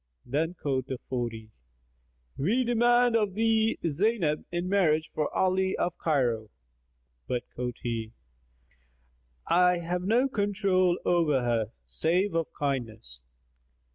Then quoth the Forty, "We demand of thee Zaynab in marriage for Ali of Cairo;" but quoth he, "I have no control over her save of kindness."